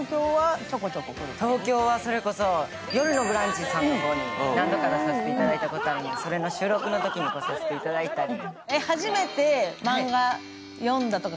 東京はそれこそ「よるのブランチ」さんの方に何度か出させていただいたことがあるんですけど、それの収録のときに来させていただいたり。